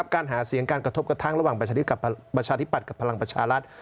การหาเสียงการกระทบกระทั่งระหว่างประชาธิบัติกับพลังประชารัฐ